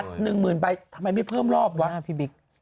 หนึ่งหมื่นใบทำไมไม่เพิ่มรอบวะพี่บิ๊ก